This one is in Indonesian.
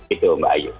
itu mbak ayu